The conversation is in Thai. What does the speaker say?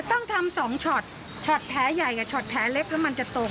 ต้องทำสองช็อตช็อตแพ้ใหญ่กับช็อตแพ้เล็กเพราะมันจะตรง